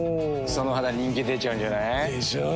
その肌人気出ちゃうんじゃない？でしょう。